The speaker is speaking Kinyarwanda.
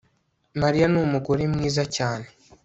Mariya numugore mwiza cyane